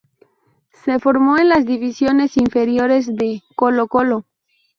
Se formó en las divisiones inferiores de Colo-Colo.